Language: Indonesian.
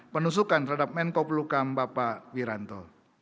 penusukan terhadap menko pelukam bapak wiranto